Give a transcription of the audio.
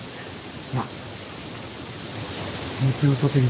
なあもっぺん歌てみ